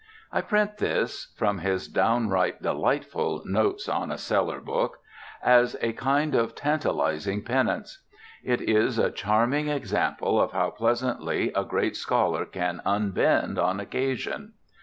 I print this from his downright delightful Notes on a Cellar Book as a kind of tantalizing penance. It is a charming example of how pleasantly a great scholar can unbend on occasion.